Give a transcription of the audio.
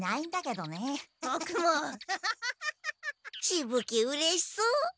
しぶ鬼うれしそう。